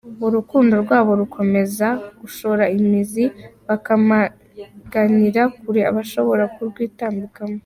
Urukundo rw’abo rukomeza gushora imizi bakamaganira kure abashobora kurwitambikamo.